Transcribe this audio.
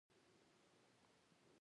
آیا د فین باغ په کاشان کې نه دی؟